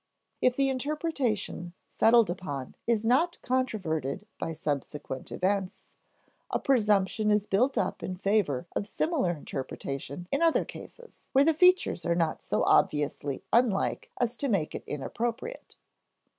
If the interpretation settled upon is not controverted by subsequent events, a presumption is built up in favor of similar interpretation in other cases where the features are not so obviously unlike as to make it inappropriate.